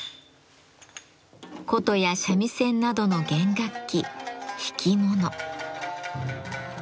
箏や三味線などの弦楽器「弾きもの」。